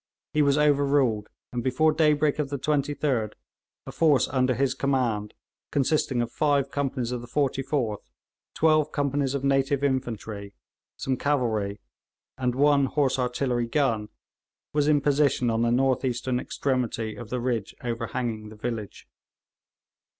He was overruled, and before daybreak of the 23d a force under his command, consisting of five companies of the 44th, twelve companies of native infantry, some cavalry, and one horse artillery gun, was in position on the north eastern extremity of the ridge overhanging the village.